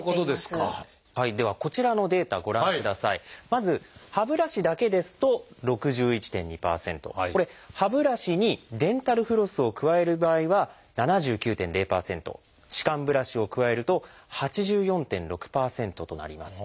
まず歯ブラシだけですと６１．２％これ歯ブラシにデンタルフロスを加える場合は７９．０％歯間ブラシを加えると８４．６％となります。